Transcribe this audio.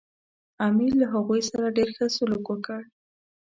امیر له هغوی سره ډېر ښه سلوک وکړ.